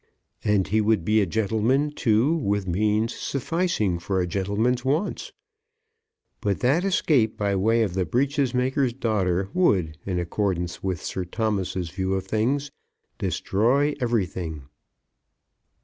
And he would be a gentleman, too, with means sufficing for a gentleman's wants. But that escape by way of the breeches maker's daughter would, in accordance with Sir Thomas's view of things, destroy everything.